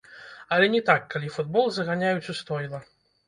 А не так, калі футбол заганяюць у стойла!